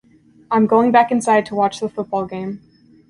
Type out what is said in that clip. I'm going back inside to watch the football game.